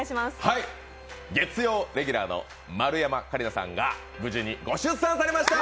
月曜レギュラーの丸山桂里奈さんが無事にご出産されました。